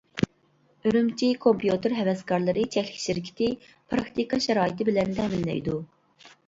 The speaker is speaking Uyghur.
ئۈرۈمچى كومپيۇتېر ھەۋەسكارلىرى چەكلىك شىركىتى پىراكتىكا شارائىتى بىلەن تەمىنلەيدۇ.